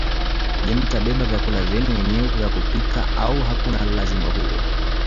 Je mtabeba vyakula vyenu wenyewe vya kujipikia au hakuna ulazima huo